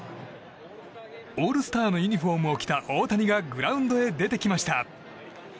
オールスターのユニホームを着た大谷がグラウンドへ出てきました。